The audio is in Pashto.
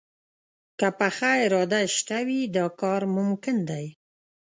که پخه اراده شته وي، دا کار ممکن دی